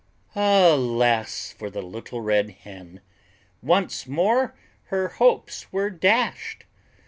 Alas for the Little Red Hen! Once more her hopes were dashed!